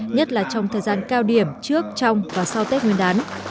nhất là trong thời gian cao điểm trước trong và sau tết nguyên đán